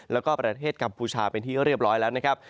แล้วก็ประเทศกัมพูชาเป็นที่เรียบร้อยแล้วนะครับ